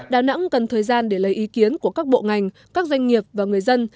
đà nẵng cần thời gian để lấy ý kiến của các bộ ngành các doanh nghiệp và người dân